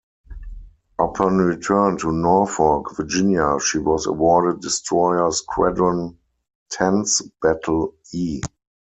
Upon return to Norfolk, Virginia she was awarded Destroyer Squadron Ten's Battle 'E'.